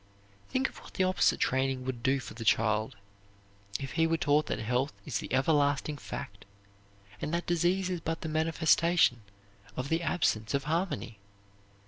Think of what the opposite training would do for the child; if he were taught that health is the ever lasting fact and that disease is but the manifestation of the absence of harmony!